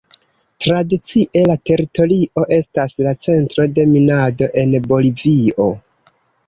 Tradicie la teritorio estas la centro de minado en Bolivio.